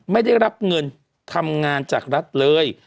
ไม่ได้รับเงินทำงานจากรัฐเลย